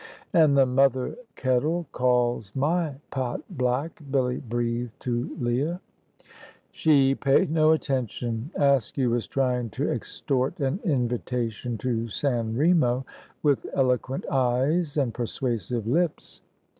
"And the mother kettle calls my pot black," Billy breathed to Leah. She paid no attention. Askew was trying to extort an invitation to San Remo, with eloquent eyes and persuasive lips.